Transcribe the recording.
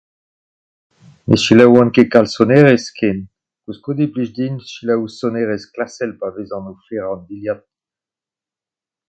Ne selaouan ket kalz sonerezh ken, koulskoude e plij din selaou sonerezh klasel pa vezañ o ferañ an dilhad.